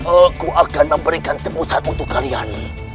aku akan memberikan tebusan untuk kalian